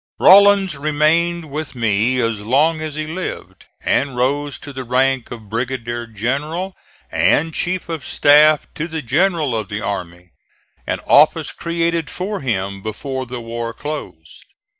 Rawlins remained with me as long as he lived, and rose to the rank of brigadier general and chief of staff to the General of the Army an office created for him before the war closed.